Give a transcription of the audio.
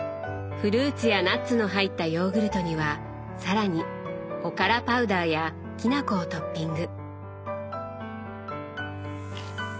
フルーツやナッツの入ったヨーグルトには更におからパウダーやきな粉をトッピング。